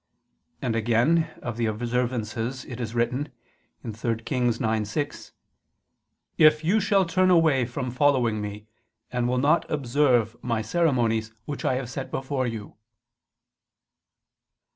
And again of the observances it is written (3 Kings 9:6): "If you ... shall turn away from following Me, and will not observe [Douay: 'keep'] My ... ceremonies which I have set before you."